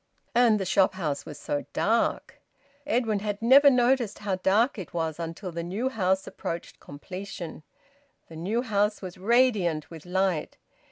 And the shop house was so dark! Edwin had never noticed how dark it was until the new house approached completion. The new house was radiant with light.